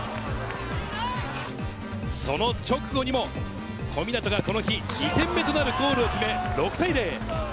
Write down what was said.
その直後にも小湊がこの日２点目となるゴールを決め６対０。